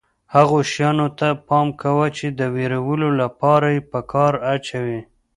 هغو شیانو ته پام کوه چې د وېرولو لپاره یې په کار اچوي.